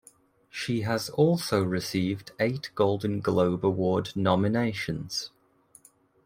She has also received eight Golden Globe Award nominations.